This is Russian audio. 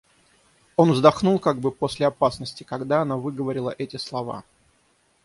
Он вздохнул как бы после опасности, когда она выговорила эти слова.